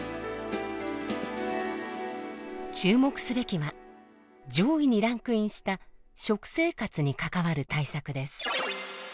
注目すべきは上位にランクインした「食生活に関わる対策」です。